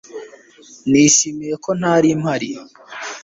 nishimiye ko ntari mpari